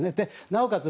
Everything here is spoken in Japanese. なおかつ